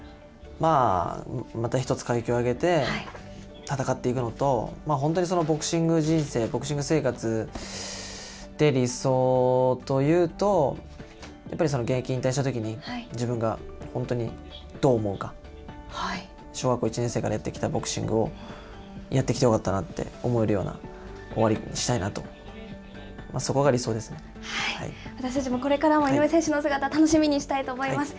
また１つ階級を上げて戦っていくのと、本当にボクシング人生、ボクシング生活で理想というと、やっぱり現役引退したときに、自分が本当にどう思うか、小学校１年生からやって来たボクシングを、やってきてよかったなって思えるような終わりにしたいなと、私たちもこれからも井上選手の姿、楽しみにしたいと思います。